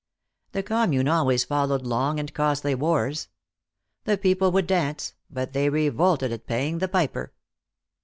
The commune always followed long and costly wars. The people would dance, but they revolted at paying the piper.